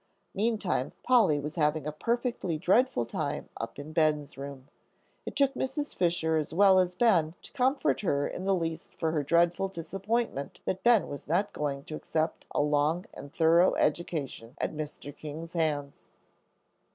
Meantime Polly was having a perfectly dreadful time up in Ben's room. It took Mrs. Fisher as well as Ben to comfort her in the least for her dreadful disappointment that Ben was not going to accept a long and thorough education at Mr. King's hands.